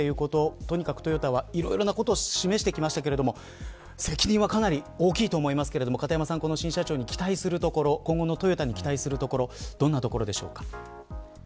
とにかくトヨタはいろいろなことを示してきましたけど責任はかなり大きいと思いますけど新社長に期待するところ今後のトヨタに期待するところどんなところでしょうか。